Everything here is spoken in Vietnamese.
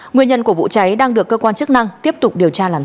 nguyên nhân của vụ cháy đang được cơ quan chức năng tiếp tục điều tra làm rõ